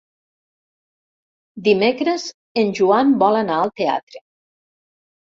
Dimecres en Joan vol anar al teatre.